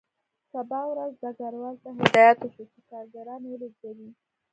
سبا ورځ ډګروال ته هدایت وشو چې کارګران ولېږدوي